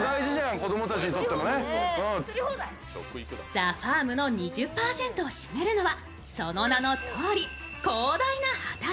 ＴＨＥＦＡＲＭの２０％を占めるのはその名のとおり広大な畑。